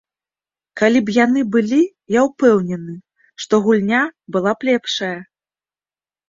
Калі б яны былі, я ўпэўнены, што гульня была б лепшая.